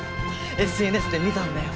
ＳＮＳで見たんだよ。